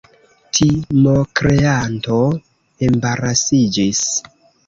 Timokreanto embarasiĝis.